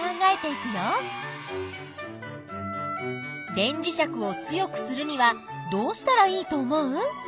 電磁石を強くするにはどうしたらいいと思う？